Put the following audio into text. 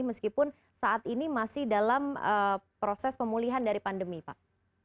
meskipun saat ini masih dalam proses pemulihan dari pandemi pak